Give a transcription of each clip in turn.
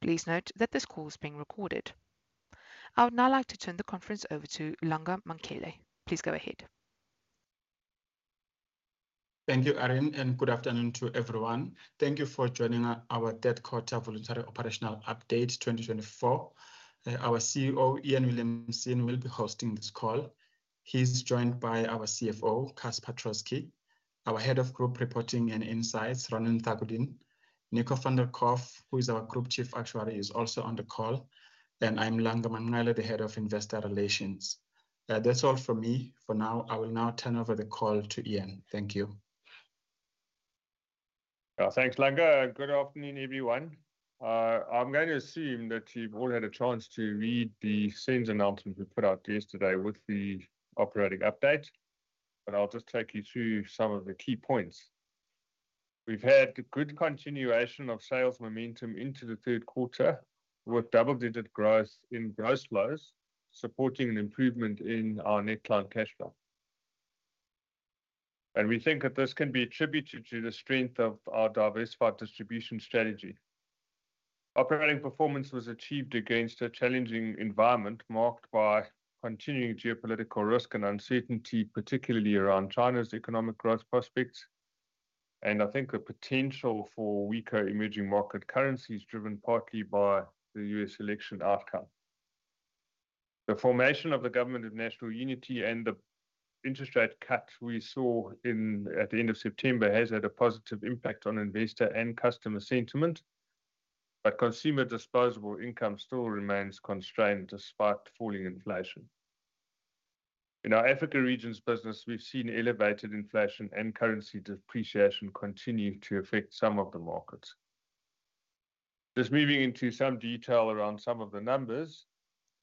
Please note that this call is being recorded. I would now like to turn the conference over to Langa Manqele. Please go ahead. Thank you, Erin, and good afternoon to everyone. Thank you for joining our third quarter voluntary operational update 2024. Our CEO, Iain Williamson, will be hosting this call. He's joined by our CFO, Casper Troskie, our Head of Group Reporting and Insights, Ranen Thakoordeen, Nico van der Colff, who is our Group Chief Actuary, is also on the call, and I'm Langa Manqele, the Head of Investor Relations. That's all from me for now. I will now turn over the call to Iain. Thank you. Thanks, Langa. Good afternoon, everyone. I'm going to assume that you've all had a chance to read the same announcement we put out yesterday with the operating update, but I'll just take you through some of the key points. We've had good continuation of sales momentum into the third quarter, with double-digit growth in gross flows, supporting an improvement in our net client cash flow. And we think that this can be attributed to the strength of our diversified distribution strategy. Operating performance was achieved against a challenging environment marked by continuing geopolitical risk and uncertainty, particularly around China's economic growth prospects, and I think the potential for weaker emerging market currencies, driven partly by the U.S. election outcome. The formation of the Government of National Unity and the interest rate cut we saw at the end of September has had a positive impact on investor and customer sentiment, but consumer disposable income still remains constrained despite falling inflation. In our Africa Regions business, we've seen elevated inflation and currency depreciation continue to affect some of the markets. Just moving into some detail around some of the numbers,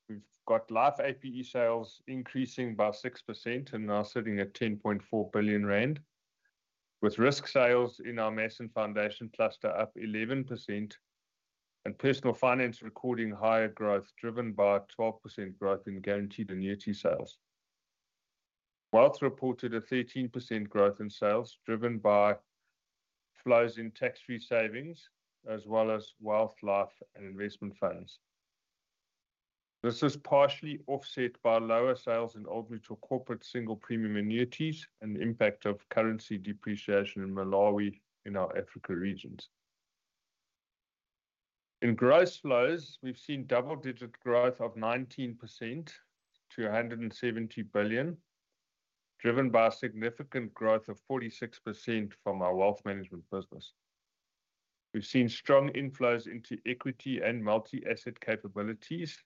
we've got Life APE sales increasing by 6% and now sitting at 10.4 billion rand, with risk sales in our Mass and Foundation Cluster up 11%, and Personal Finance recording higher growth, driven by 12% growth in guaranteed annuity sales. Wealth reported a 13% growth in sales, driven by flows in tax-free savings as well as wealth life and investment funds. This is partially offset by lower sales in Old Mutual Corporate single premium annuities and the impact of currency depreciation in Malawi in our African regions. In gross flows, we've seen double-digit growth of 19% to R170 billion, driven by significant growth of 46% from our Wealth Management business. We've seen strong inflows into equity and multi-asset capabilities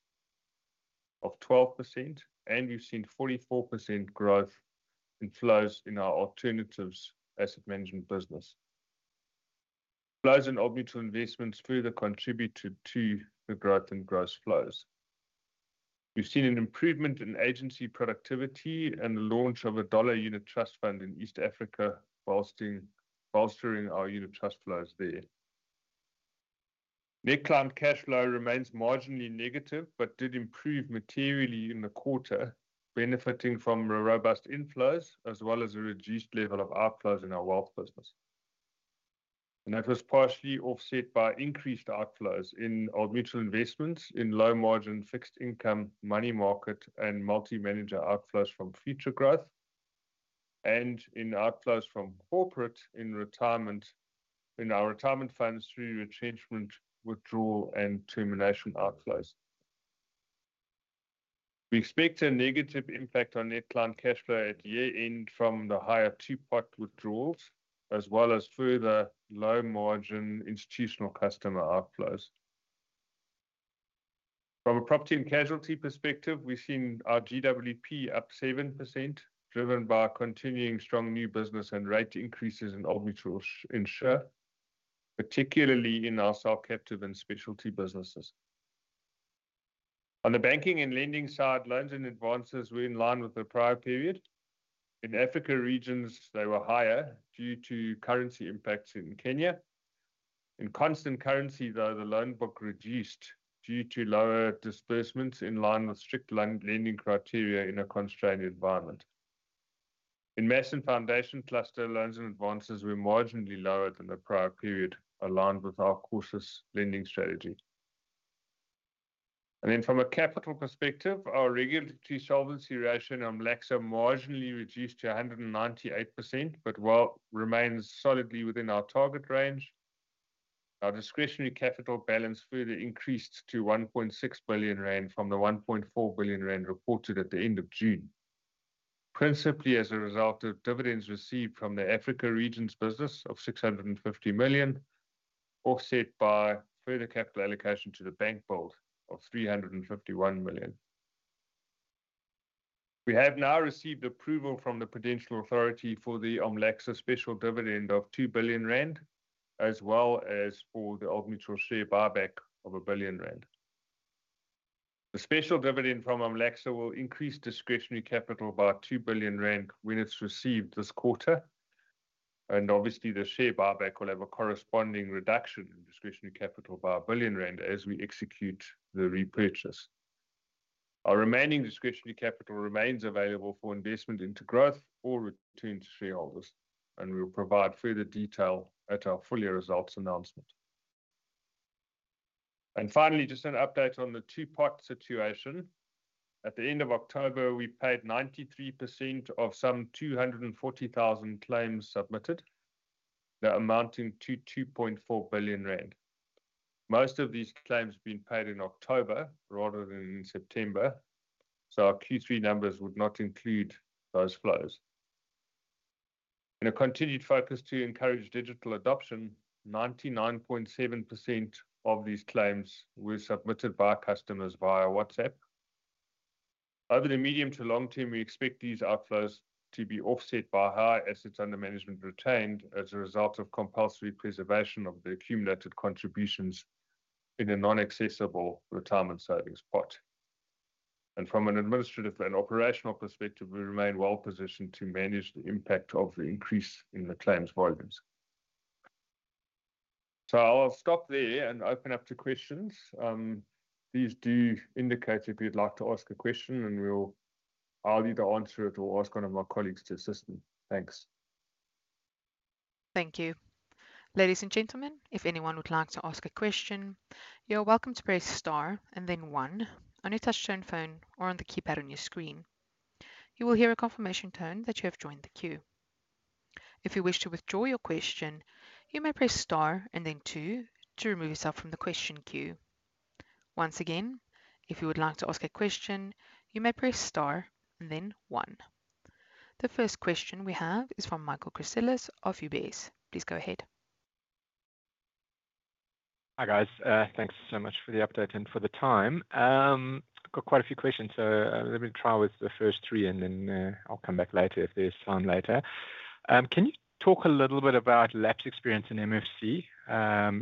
of 12%, and we've seen 44% growth in flows in our alternatives asset management business. Flows in Old Mutual Investments further contributed to the growth in gross flows. We've seen an improvement in agency productivity and the launch of a dollar unit trust fund in East Africa, bolstering our unit trust flows there. Net client cash flow remains marginally negative but did improve materially in the quarter, benefiting from robust inflows as well as a reduced level of outflows in our Wealth Management business. That was partially offset by increased outflows in Old Mutual Investments in low-margin fixed income money market and multi-manager outflows from Futuregrowth, and in outflows from corporate in retirement in our retirement funds through retrenchment, withdrawal, and termination outflows. We expect a negative impact on net client cash flow at year-end from the higher Two-Pot withdrawals, as well as further low-margin institutional customer outflows. From a property and casualty perspective, we've seen our GWP up 7%, driven by continuing strong new business and rate increases in Old Mutual Insure, particularly in our cell captive and specialty businesses. On the banking and lending side, loans and advances were in line with the prior period. In Africa regions, they were higher due to currency impacts in Kenya. In constant currency, though, the loan book reduced due to lower disbursements in line with strict lending criteria in a constrained environment. In Mass and Foundation Cluster, loans and advances were marginally lower than the prior period, aligned with our cautious lending strategy. And then from a capital perspective, our regulatory solvency ratio in OMLACA marginally reduced to 198%, but it remains solidly within our target range. Our discretionary capital balance further increased to 1.6 billion rand from the 1.4 billion rand reported at the end of June, principally as a result of dividends received from the Africa region's business of 650 million, offset by further capital allocation to the Bank build of 351 million. We have now received approval from the Prudential Authority for the OMLACSA special dividend of 2 billion rand, as well as for the Old Mutual share buyback of 1 billion rand. The special dividend from OMLACSA will increase discretionary capital by 2 billion rand when it's received this quarter, and obviously the share buyback will have a corresponding reduction in discretionary capital by 1 billion rand as we execute the repurchase. Our remaining discretionary capital remains available for investment into growth or return to shareholders, and we'll provide further detail at our full-year results announcement. Finally, just an update on the Two-pot situation. At the end of October, we paid 93% of some 240,000 claims submitted, amounting to 2.4 billion rand. Most of these claims have been paid in October rather than in September, so our Q3 numbers would not include those flows. In a continued focus to encourage digital adoption, 99.7% of these claims were submitted by customers via WhatsApp. Over the medium to long term, we expect these outflows to be offset by higher assets under management retained as a result of compulsory preservation of the accumulated contributions in a non-accessible retirement savings pot. And from an administrative and operational perspective, we remain well positioned to manage the impact of the increase in the claims volumes. So I'll stop there and open up to questions. Please do indicate if you'd like to ask a question, and I'll either answer it or ask one of my colleagues to assist me. Thanks. Thank you. Ladies and gentlemen, if anyone would like to ask a question, you're welcome to press star and then 1 on your touch-tone phone or on the keypad on your screen. You will hear a confirmation tone that you have joined the queue. If you wish to withdraw your question, you may press star and then 2 to remove yourself from the question queue. Once again, if you would like to ask a question, you may press star and then 1. The first question we have is from Michael Christelis of UBS. Please go ahead. Hi guys, thanks so much for the update and for the time. I've got quite a few questions, so let me try with the first three and then I'll come back later if there's time later. Can you talk a little bit about lapse experience in MFC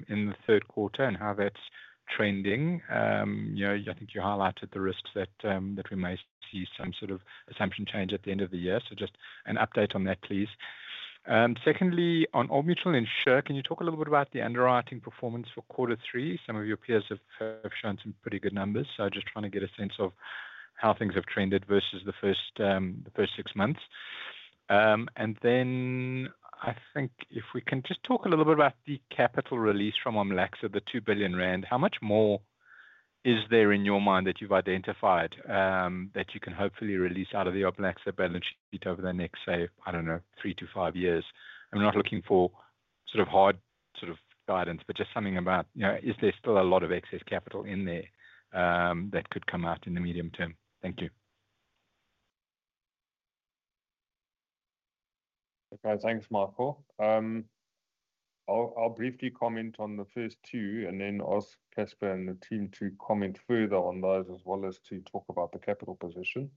in the third quarter and how that's trending? I think you highlighted the risks that we may see some sort of assumption change at the end of the year, so just an update on that, please. Secondly, on Old Mutual Insure, can you talk a little bit about the underwriting performance for quarter three? Some of your peers have shown some pretty good numbers, so just trying to get a sense of how things have trended versus the first six months. And then I think if we can just talk a little bit about the capital release from AMLAXA, the 2 billion rand, how much more is there in your mind that you've identified that you can hopefully release out of the AMLAXA balance sheet over the next, say, I don't know, three to five years? I'm not looking for sort of hard sort of guidance, but just something about, you know, is there still a lot of excess capital in there that could come out in the medium term? Thank you. Okay, thanks, Michael. I'll briefly comment on the first two and then ask Casper and the team to comment further on those as well as to talk about the capital position.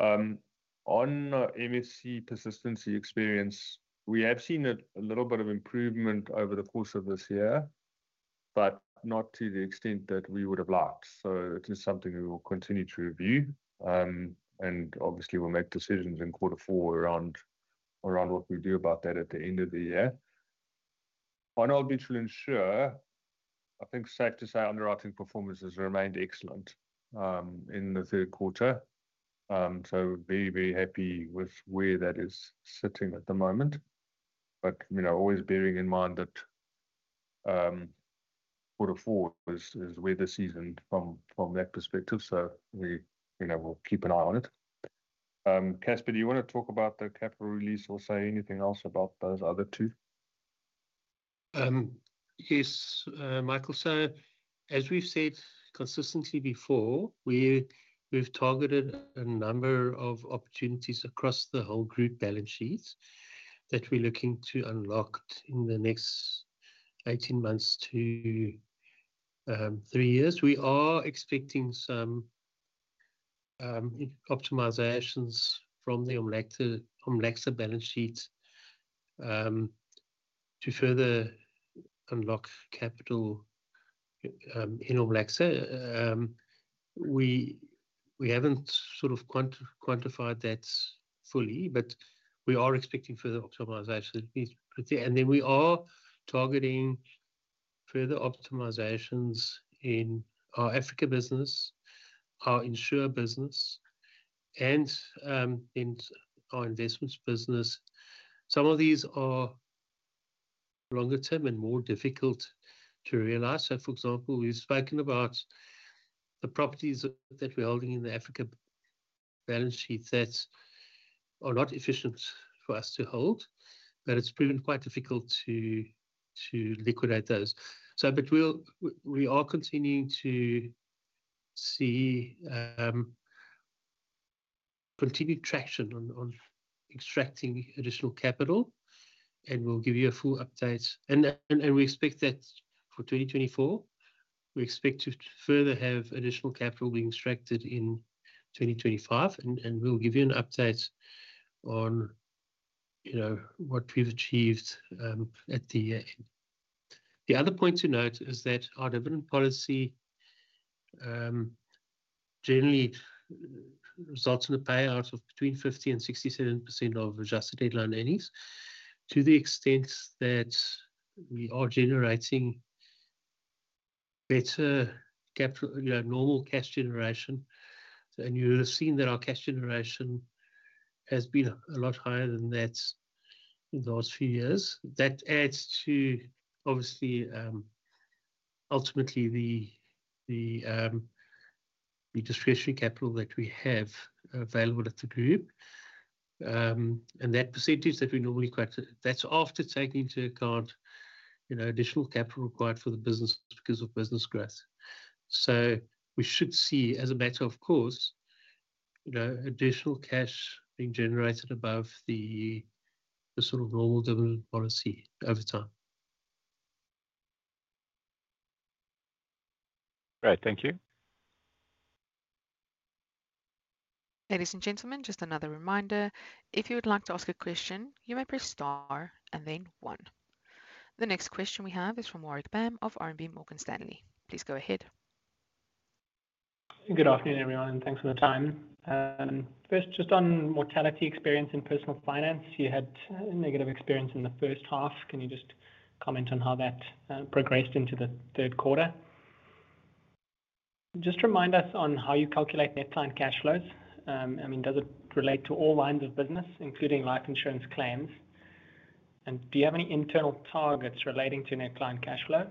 On MFC persistency experience, we have seen a little bit of improvement over the course of this year, but not to the extent that we would have liked. So it is something we will continue to review, and obviously we'll make decisions in quarter four around what we do about that at the end of the year. On Old Mutual Insure, I think it's safe to say underwriting performances remained excellent in the third quarter, so very, very happy with where that is sitting at the moment. But, you know, always bearing in mind that quarter four is weather season from that perspective, so we will keep an eye on it. Casper, do you want to talk about the capital release or say anything else about those other two? Yes, Michael. So as we've said consistently before, we've targeted a number of opportunities across the whole group balance sheet that we're looking to unlock in the next 18 months to three years. We are expecting some optimizations from the OMLACSA balance sheet to further unlock capital in OMLACSA. We haven't sort of quantified that fully, but we are expecting further optimizations, and then we are targeting further optimizations in our Africa business, our insure business, and in our investments business. Some of these are longer term and more difficult to realize. So, for example, we've spoken about the properties that we're holding in the Africa balance sheet that are not efficient for us to hold, but it's proven quite difficult to liquidate those. So, but we are continuing to see continued traction on extracting additional capital, and we'll give you a full update. And we expect that for 2024, we expect to further have additional capital being extracted in 2025, and we'll give you an update on, you know, what we've achieved at the end. The other point to note is that our dividend policy generally results in a payout of between 50% and 67% of adjusted headline earnings to the extent that we are generating better capital, you know, normal cash generation. And you'll have seen that our cash generation has been a lot higher than that in the last few years. That adds to, obviously, ultimately the discretionary capital that we have available at the group, and that percentage that we normally quite, that's after taking into account, you know, additional capital required for the business because of business growth. So we should see, as a matter of course, you know, additional cash being generated above the sort of normal dividend policy over time. Great, thank you. Ladies and gentlemen, just another reminder, if you would like to ask a question, you may press Star and then 1. The next question we have is from Warwick Bam of RMB Morgan Stanley. Please go ahead. Good afternoon, everyone, and thanks for the time. First, just on mortality experience in Personal Finance, you had a negative experience in the first half. Can you just comment on how that progressed into the third quarter? Just remind us on how you calculate Net Client Cash Flow. I mean, does it relate to all lines of business, including life insurance claims? And do you have any internal targets relating to Net Client Cash Flow?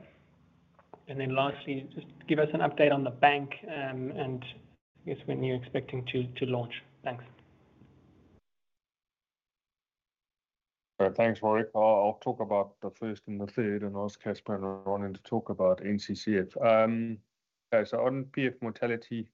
And then lastly, just give us an update on the bank and I guess when you're expecting to launch. Thanks. Thanks, Warwick. I'll talk about the first and the third, and I'll ask Casper and Ranen to talk about NCCF, so on PF mortality,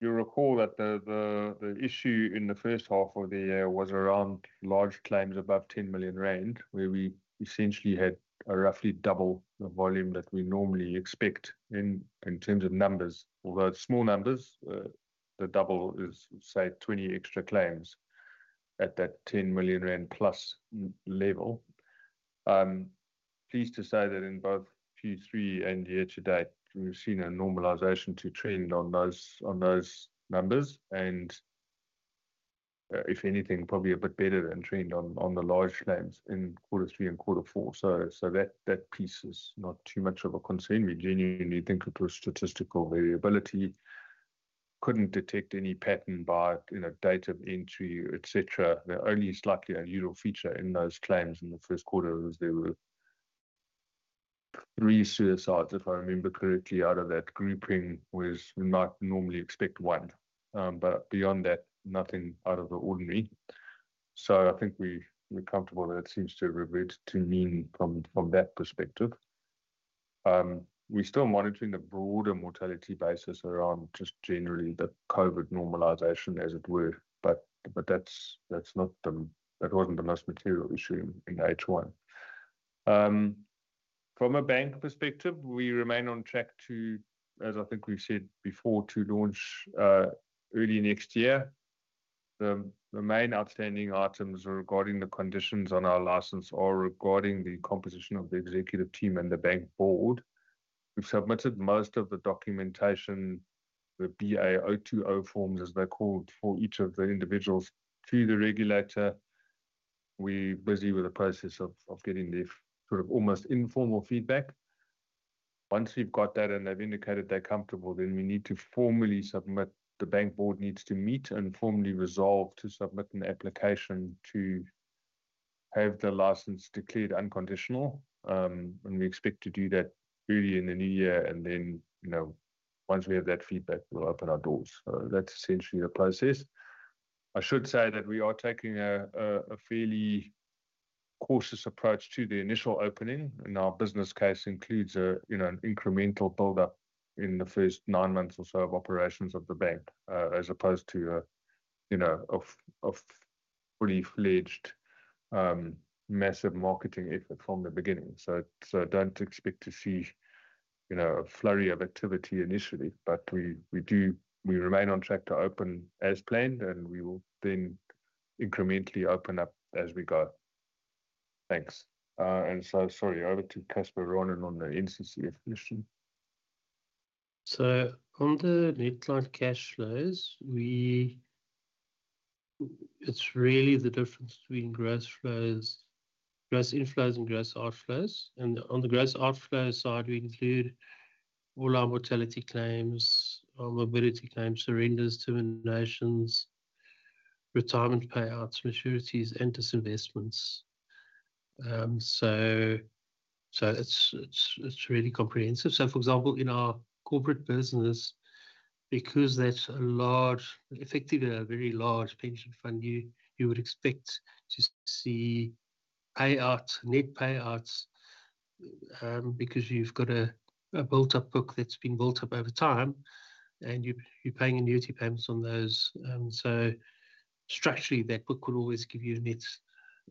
you recall that the issue in the first half of the year was around large claims above 10 million rand, where we essentially had roughly double the volume that we normally expect in terms of numbers. Although it's small numbers, the double is, say, 20 extra claims at that 10 million rand plus level. Pleased to say that in both Q3 and year-to-date, we've seen a normalization to trend on those numbers, and if anything, probably a bit better than trend on the large claims in quarter three and quarter four, so that piece is not too much of a concern. We genuinely think it was statistical variability. Couldn't detect any pattern by date of entry, etc. The only slightly unusual feature in those claims in the first quarter was there were three suicides, if I remember correctly, out of that grouping where we might normally expect one. But beyond that, nothing out of the ordinary. So I think we're comfortable that it seems to revert to mean from that perspective. We're still monitoring the broader mortality basis around just generally the COVID normalization, as it outstanding items are regarding the conditions on our license or regarding the composition of the executive team and the bank board. We've submitted most of the docume were, but that's not the, that wasn't the most material issue in H1. From a bank perspective, we remain on track to, as I think we've said before, to launch early next year. The documentation, the BA020 forms, as they're called for each of the individuals to the regulator. We're busy with the process of getting their sort of almost informal feedback. Once we've got that and they've indicated they're comfortable, then we need to formally submit. The bank board needs to meet and formally resolve to submit an application to have the license declared unconditional. And we expect to do that early in the new year, and then, you know, once we have that feedback, we'll open our doors. So that's essentially the process. I should say that we are taking a fairly cautious approach to the initial opening, and our business case includes an incremental build-up in the first nine months or so of operations of the bank, as opposed to a, you know, a fully fledged massive marketing effort from the beginning. So don't expect to see, you know, a flurry of activity initially, but we do, we remain on track to open as planned, and we will then incrementally open up as we go. Thanks. And so, sorry, over to Casper Troskie on the NCCF question. On the net client cash flows, it's really the difference between gross flows, gross inflows, and gross outflows. On the gross outflow side, we include all our mortality claims, our morbidity claims, surrenders, annuities, retirement payouts, maturities, and disinvestments. It's really comprehensive. For example, in our corporate business, because that's a large, effectively a very large pension fund, you would expect to see payouts, net payouts, because you've got a built-up book that's been built up over time, and you're paying annuity payments on those. Structurally, that book would always give you a net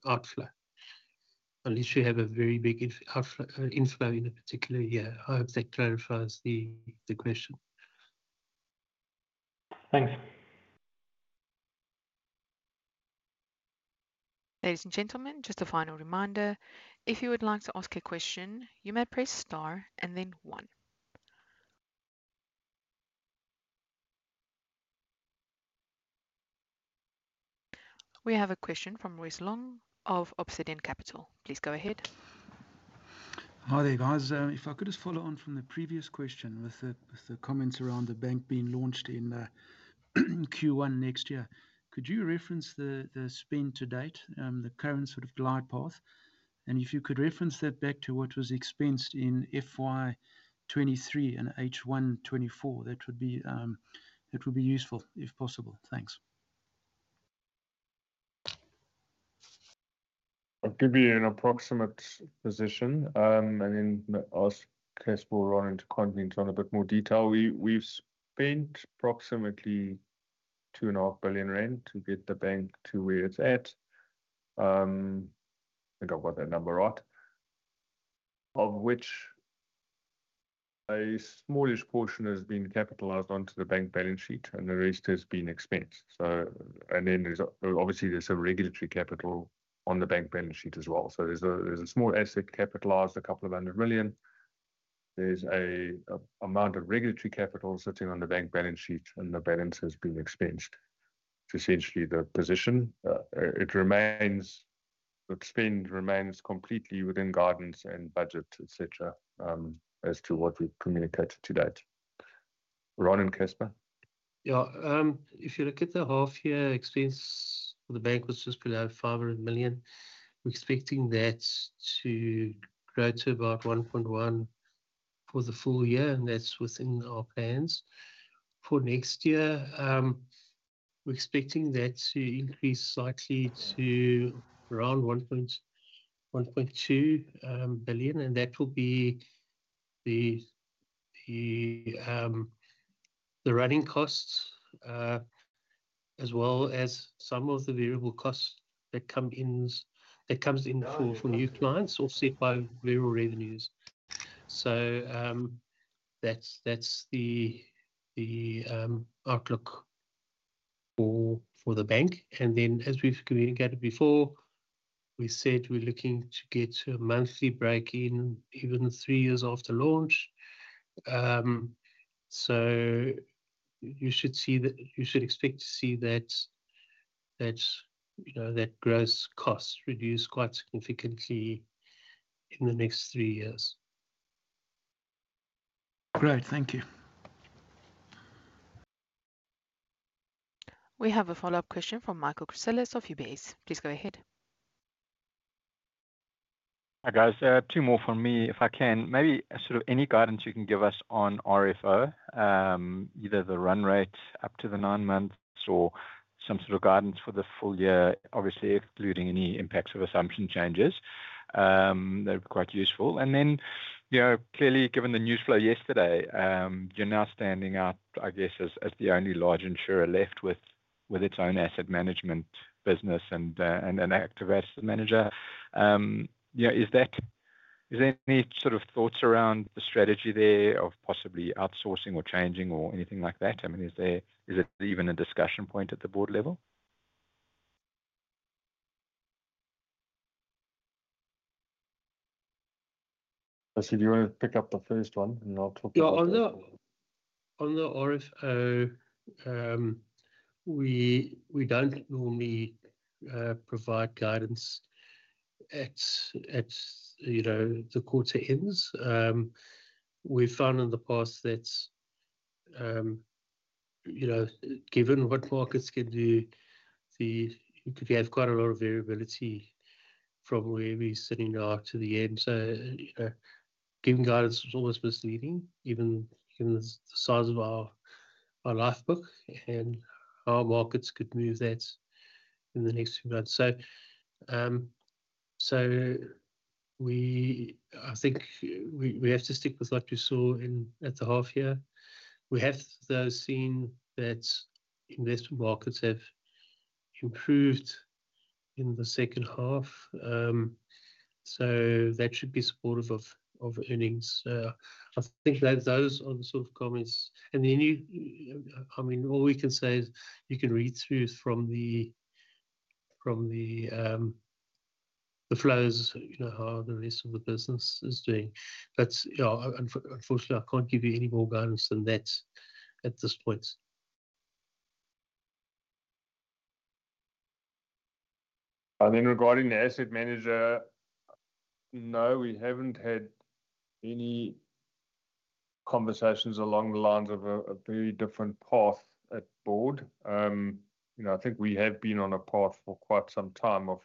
outflow, unless you have a very big inflow in a particular year. I hope that clarifies the question. Thanks. Ladies and gentlemen, just a final reminder, if you would like to ask a question, you may press Star and then 1. We have a question from Royce Long of Obsidian Capital. Please go ahead. Hi there, guys. If I could just follow on from the previous question with the comments around the bank being launched in Q1 next year, could you reference the spend to date, the current sort of glide path, and if you could reference that back to what was expensed in FY 2023 and H1 2024, that would be useful if possible. Thanks. I'll give you an approximate position, and then ask Casper Troskie to comment on a bit more detail. We've spent approximately 2.5 billion rand to get the bank to where it's at. I forgot what that number is, of which a smallish portion has been capitalized onto the bank balance sheet, and the rest has been expensed. And then obviously there's a regulatory capital on the bank balance sheet as well. So there's a small asset capitalized, a couple of hundred million. There's an amount of regulatory capital sitting on the bank balance sheet, and the balance has been expensed. It's essentially the position. The spend remains completely within guidance and budget, etc., as to what we've communicated to date. Ranen and Casper. Yeah, if you look at the half-year expense, the bank was just put out 500 million. We're expecting that to grow to about 1.1 billion for the full year, and that's within our plans. For next year, we're expecting that to increase slightly to around 1.2 billion, and that will be the running costs as well as some of the variable costs that come in, that comes in for new clients or set by variable revenues. So that's the outlook for the bank. And then, as we've communicated before, we said we're looking to get a monthly break-even three years after launch. So you should see that, you should expect to see that, you know, that gross costs reduce quite significantly in the next three years. Great, thank you. We have a follow-up question from Michael Christelis of UBS. Please go ahead. Hi guys, two more from me, if I can. Maybe sort of any guidance you can give us on RFO, either the run rate up to the nine months or some sort of guidance for the full year, obviously excluding any impacts of assumption changes, that would be quite useful, and then, you know, clearly given the news flow yesterday, you're now standing out, I guess, as the only large insurer left with its own asset management business and an active asset manager. You know, is that, is there any sort of thoughts around the strategy there of possibly outsourcing or changing or anything like that? I mean, is there, is it even a discussion point at the board level? I said, do you want to pick up the first one and I'll talk about it? Yeah, on the RFO, we don't normally provide guidance at, you know, the quarter ends. We've found in the past that, you know, given what markets can do, you could have quite a lot of variability from where we're sitting now to the end. So, you know, giving guidance was always misleading, given the size of our life book and how markets could move that in the next few months. So, I think we have to stick with what we saw in at the half-year. We have though seen that investment markets have improved in the second half. So that should be supportive of earnings. I think those are the sort of comments. And then you, I mean, all we can say is you can read through from the flows, you know, how the rest of the business is doing. But, yeah, unfortunately, I can't give you any more guidance than that at this point. Regarding the asset manager, no, we haven't had any conversations along the lines of a very different path at board. You know, I think we have been on a path for quite some time of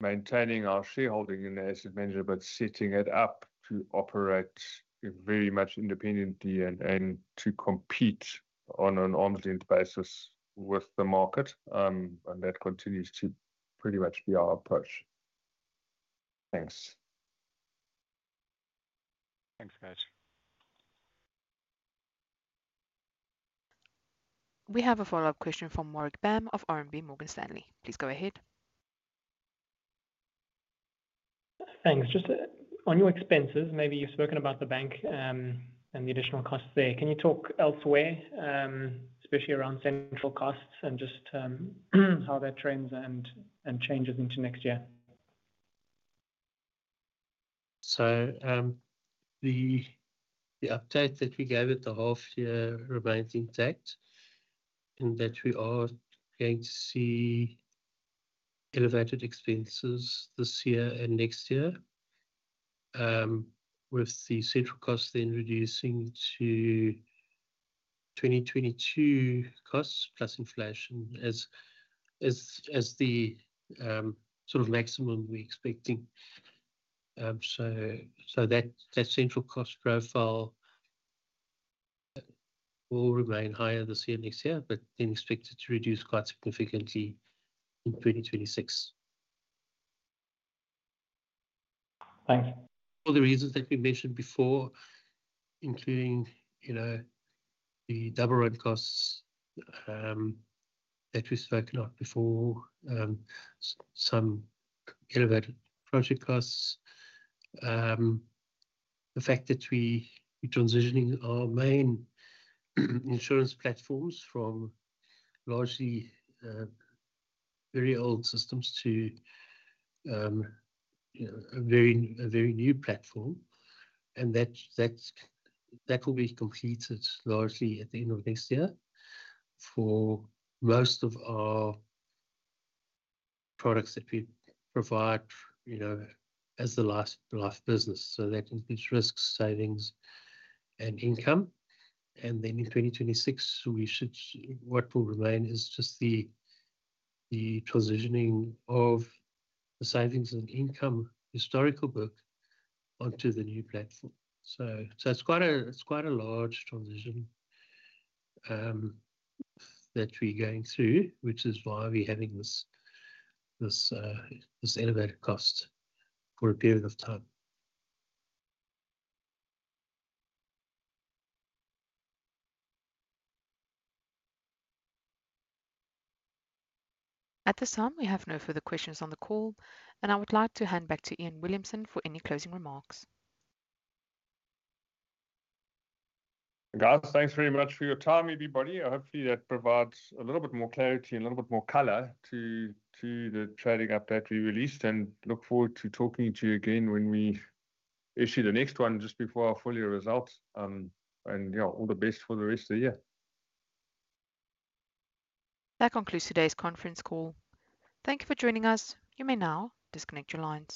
maintaining our shareholding in the asset manager, but setting it up to operate very much independently and to compete on an arm's length basis with the market. That continues to pretty much be our approach. Thanks. Thanks, guys. We have a follow-up question from Warwick Bam of RMB Morgan Stanley. Please go ahead. Thanks. Just on your expenses, maybe you've spoken about the bank and the additional costs there. Can you talk elsewhere, especially around central costs and just how that trends and changes into next year? So the update that we gave at the half-year remains intact in that we are going to see elevated expenses this year and next year with the central costs then reducing to 2022 costs plus inflation as the sort of maximum we're expecting. So that central cost profile will remain higher this year and next year, but then expected to reduce quite significantly in 2026. Thanks. All the reasons that we mentioned before, including, you know, the double run costs that we've spoken of before, some elevated project costs, the fact that we're transitioning our main insurance platforms from largely very old systems to a very new platform, and that will be completed largely at the end of next year for most of our products that we provide, you know, as the life business, so that includes risks, savings, and income, and then in 2026, what will remain is just the transitioning of the savings and income historical book onto the new platform, so it's quite a large transition that we're going through, which is why we're having this elevated cost for a period of time. At this time, we have no further questions on the call, and I would like to hand back to Iain Williamson for any closing remarks. Guys, thanks very much for your time, everybody. I hope that provides a little bit more clarity and a little bit more color to the trading update we released, and look forward to talking to you again when we issue the next one just before our full year results, and yeah, all the best for the rest of the year. That concludes today's conference call. Thank you for joining us. You may now disconnect your lines.